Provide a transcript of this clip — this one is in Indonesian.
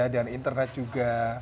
dan internet juga